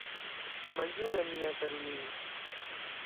Maljuna mia karulin’!